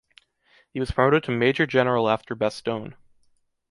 He was promoted to Major General after Bastogne.